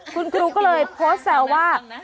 คุณครูก็เลยโพสต์แซวว่า